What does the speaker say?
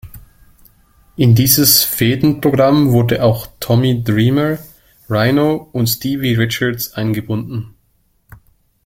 In dieses Fehdenprogramm wurden auch Tommy Dreamer, Rhino und Stevie Richards eingebunden.